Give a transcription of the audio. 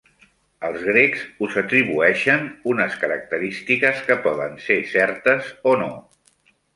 Als grecs us atribueixen unes característiques que poden ser certes o no.